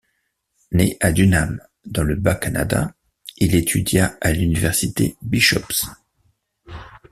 Né à Dunham dans le Bas-Canada, il étudia à l'Université Bishop's.